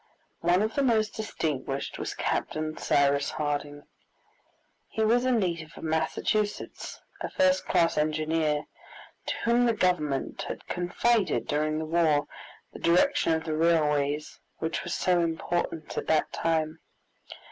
One of the most distinguished was Captain Cyrus Harding. He was a native of Massachusetts, a first class engineer, to whom the government had confided, during the war, the direction of the railways, which were so important at that time.